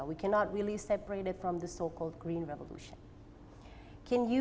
kita tidak bisa membedakannya dari revolusi hijau